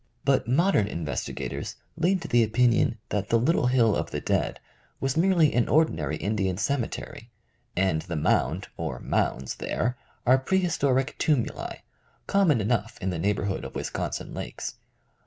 But modern investigators lean to the opinion that the "little hill of the dead" was merely an ordinary Indian cemetery, and the mound or mounds there are prehistoric tumuli, common enough in the neighborhood of Wisconsin lakes.